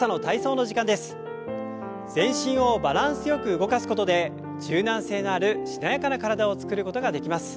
全身をバランスよく動かすことで柔軟性があるしなやかな体を作ることができます。